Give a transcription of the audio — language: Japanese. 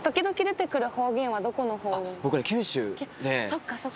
そっかそっか。